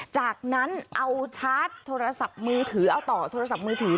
จากนั้นเอาชาร์จโทรศัพท์มือถือเอาต่อโทรศัพท์มือถือ